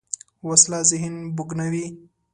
وسله ذهن بوږنوې